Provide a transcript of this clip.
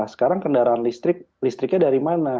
sekarang kendaraan listrik listriknya dari mana